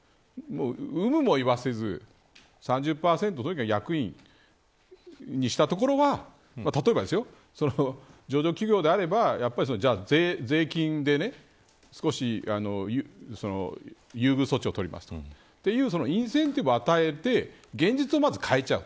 有無を言わせず３０％、とにかく役員にしたところは例えば、上場企業であれば税金で少し優遇措置をとりますというインセンティブを与えて現実をまず変えてしまう。